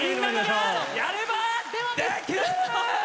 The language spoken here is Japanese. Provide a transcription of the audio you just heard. やればできる！